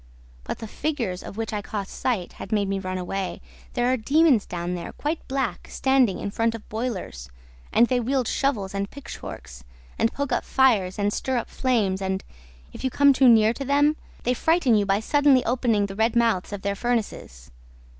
But the figures of which I caught sight had made me run away. There are demons down there, quite black, standing in front of boilers, and they wield shovels and pitchforks and poke up fires and stir up flames and, if you come too near them, they frighten you by suddenly opening the red mouths of their furnaces